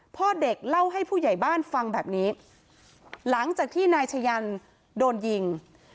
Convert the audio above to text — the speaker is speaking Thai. พ่อเด็กเล่าให้ผู้ใหญ่บ้านฟังแบบนี้หลังจากที่นายชะยันโดนยิง